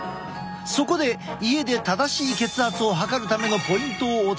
そこで家で正しい血圧を測るためのポイントをお伝えしよう。